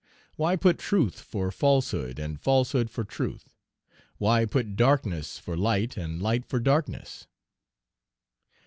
Why put truth for falsehood, and falsehood for truth? Why put darkness for light and light for darkness?